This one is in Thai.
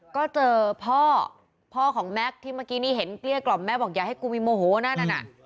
ก็เจอพ่อพ่อของแม็กซ์ที่เมื่อกี้นี่เห็นเกลี้ยกล่อมแม่บอกอย่าให้กูมีโมโหนั่นน่ะ